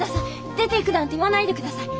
出ていくなんて言わないでください。